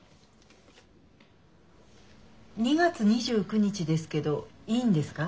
２月２９日ですけどいいんですか？